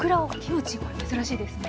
これ珍しいですね。